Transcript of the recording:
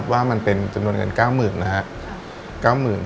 ว่ามันเป็นจำนวนเงิน๙๐๐๐๐บาท